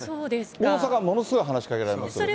大阪はものすごい話しかけられますね。